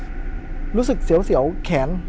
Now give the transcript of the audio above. ผมก็ไม่เคยเห็นว่าคุณจะมาทำอะไรให้คุณหรือเปล่า